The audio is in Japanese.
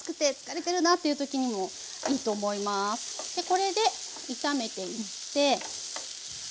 これで炒めていって。